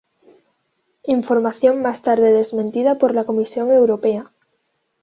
Información más tarde desmentida por la Comisión Europea.